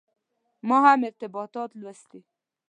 ما هم ارتباطات لوستي.